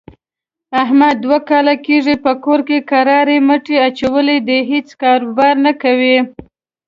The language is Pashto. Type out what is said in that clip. احمد دوه کاله کېږي په کور کرارې مټې اچولې دي، هېڅ کاروبار نه کوي.